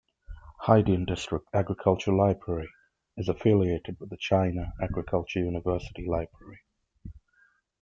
Haidian District Agriculture Library is affiliated with the China Agricultural University Library.